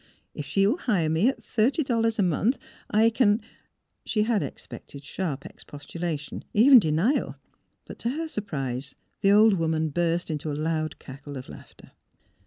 If she will hire me at thirty dollars a month I can " She had expected sharp expostulation, even de nial ; but to her surprise the old woman burst into a loud cackle of laughter.